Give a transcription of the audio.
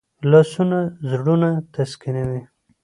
لاسونه زړونه تسکینوي